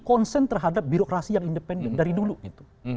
konsen terhadap birokrasi yang independen dari dulu gitu